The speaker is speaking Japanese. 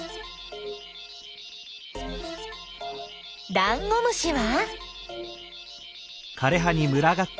ダンゴムシは？